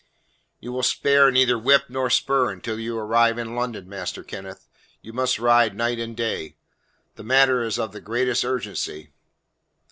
"You will spare neither whip nor spur until you arrive in London, Master Kenneth. You must ride night and day; the matter is of the greatest urgency."